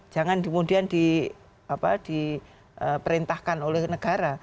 jangan kemudian diperintahkan oleh negara